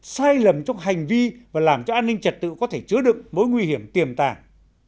sai lầm trong hành vi và làm cho an ninh trật tự có thể chứa đựng mối nguy hiểm tiềm tàng